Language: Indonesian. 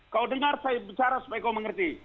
kau dengar saya bicara supaya kau mengerti